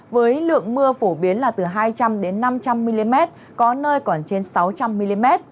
với lượng mưa phổ biến là từ hai trăm linh năm trăm linh mm có nơi còn trên sáu trăm linh mm